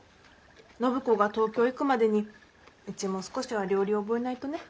暢子が東京行くまでにうちも少しは料理覚えないとね。